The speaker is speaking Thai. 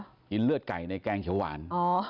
กินเลือดไก่ในแกงเขียวหวาน